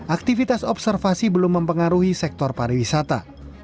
aktivitas observasi belum mempengaruhi sektor pariwisata